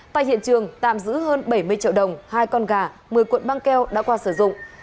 tại hiện trường tạm giữ hơn bảy mươi triệu đồng hai con gà một mươi cuộn băng keo đã qua sử dụng